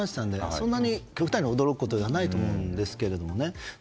そんなに極端に驚くことではないとおもうんですけれども。